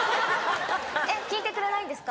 えっ聞いてくれないんですか？